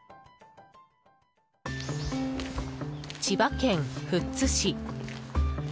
千葉県富津市。